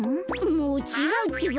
もうちがうってば。